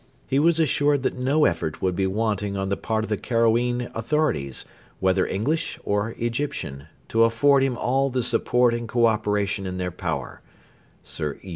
He was assured that no effort would be wanting on the part of the Cairene authorities, whether English or Egyptian, to afford him all the support and co operation in their power [Sir E.